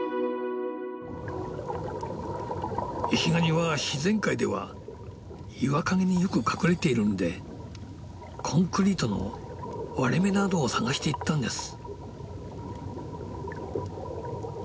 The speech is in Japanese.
イシガニは自然界では岩陰によく隠れているんでコンクリートの割れ目などを探していったんです。